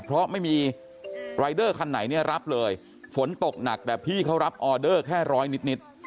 เพราะไม่มีรายเดอร์คันไหนเนี่ยรับเลยฝนตกหนักแต่พี่เขารับออเดอร์แค่ร้อยนิด